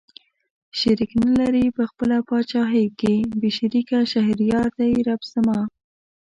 شريک نه لري په خپله پاچاهۍ کې بې شريکه شهريار دئ رب زما